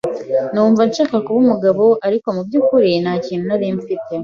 numva nshaka kuba umugabo ariko mu by’ukuri ntakintu nari mfite